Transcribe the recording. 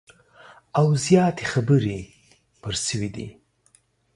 او زیاتي خبري پر سوي دي